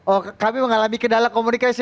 oh kami mengalami kendala komunikasi